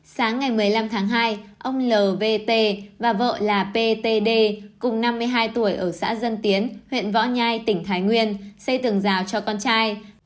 sáng ngày một mươi năm tháng hai ông l v t và vợ là p t d cùng năm mươi hai tuổi ở xã dân tiến huyện võ nhai tỉnh thái nguyên xây tường rào cho con trai